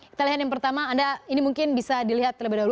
kita lihat yang pertama anda ini mungkin bisa dilihat terlebih dahulu